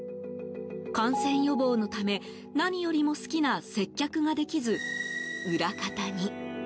感染予防のため、何よりも好きな接客ができず裏方に。